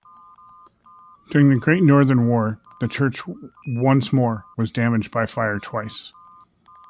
During the Great Northern War, the church once more was damaged by fire twice.